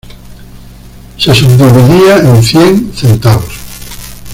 Se subdividía en cien centavos.